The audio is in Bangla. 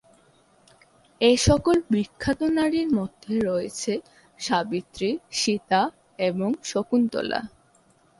এসকল বিখ্যাত নারীর মধ্যে রয়েছে সাবিত্রী, সীতা, এবং শকুন্তলা।